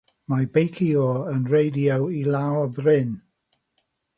Mae beiciwr yn reidio i lawr bryn.